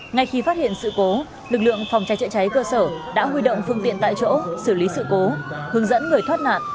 ngay khi phát hiện sự cố lực lượng phòng cháy chữa cháy cơ sở đã huy động phương tiện tại chỗ xử lý sự cố hướng dẫn người thoát nạn